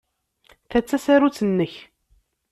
Ta d tasarut-nnek.